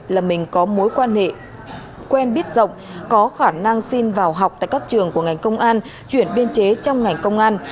là mình có mối quan hệ quen biết rộng có khả năng xin vào học tại các trường của ngành công an chuyển biên chế trong ngành công an